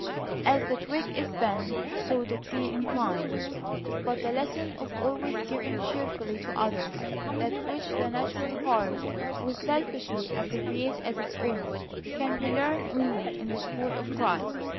"As the twig is bent, so the tree inclines." But the lesson of always giving cheerfully to others that which the natural heart would selfishly appropriate as its own, can be learned only in the school of Christ.